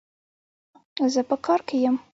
زه په کار کي يم